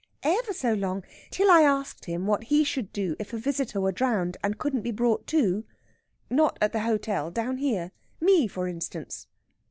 "Ever so long. Till I asked him what he should do if a visitor were drowned and couldn't be brought to. Not at the hotel; down here. Me, for instance."